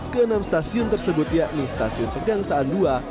ke enam stasiun tersebut yakni stasiun pegang saan dua